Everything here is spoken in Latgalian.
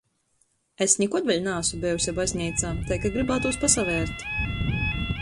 Es nikod vēļ naasu bejuse bazneicā, tai kai grybātūs pasavērt.